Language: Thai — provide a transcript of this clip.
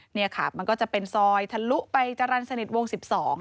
นี่ค่ะมันก็จะเป็นซอยทะลุไปจรรย์สนิทวง๑๒